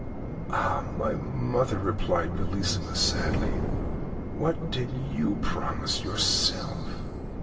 "Ah! my mother," replied Bellissima sadly, "what did you promise, yourself?"